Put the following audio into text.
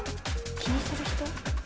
気にする人？